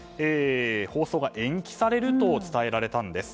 放送が延期されると伝えられたんです。